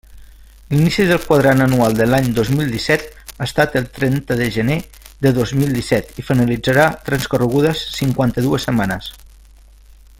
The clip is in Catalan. L'inici del quadrant anual de l'any dos mil disset ha estat el trenta de gener de dos mil disset i finalitzarà transcorregudes cinquanta-dues setmanes.